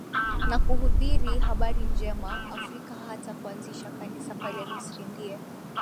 na kuhubiri Habari Njema Afrika hata kuanzisha Kanisa pale Misri Ndiye